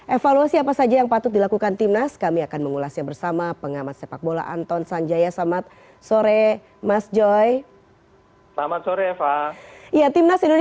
evaluasi apa saja yang patut dilakukan timnas kami akan mengulasnya bersama pengamat sepak bola anton sanjaya samad sore mas joy